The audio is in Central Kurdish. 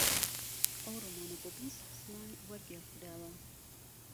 ئەو ڕۆمانە بۆ بیست زمان وەرگێڕدراوە